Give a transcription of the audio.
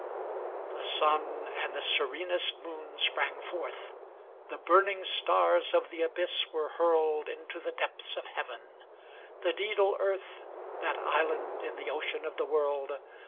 II The Sun and the serenest Moon sprang forth ; The burning stars of the abyss were hurled Into the depths of heaven. The daedal earth, That island in the ocean of the world.